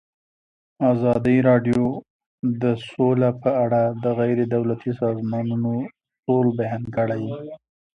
ازادي راډیو د سوله په اړه د غیر دولتي سازمانونو رول بیان کړی.